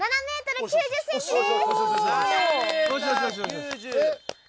１１ｍ９０ｃｍです！